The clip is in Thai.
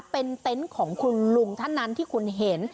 เป็นเต็นต์ของคุณลุงท่านนั้นที่คุณเห็น